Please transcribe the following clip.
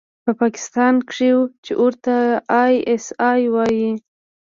په پاکستان کښې چې ورته آى اس آى وايي.